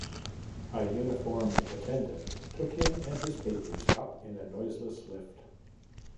A uniformed attendant took him and his papers up in a noiseless lift.